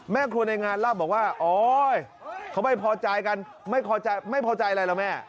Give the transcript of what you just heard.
แม่ครัวในงานเล่าบอกว่าโอ๊ยเขาไม่พอใจกันไม่พอใจไม่พอใจอะไรล่ะแม่